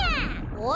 おい！